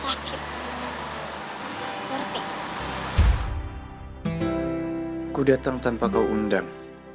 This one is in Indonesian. aku datang tanpa kau undang